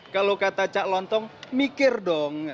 kalau kata cak lontong mikir dong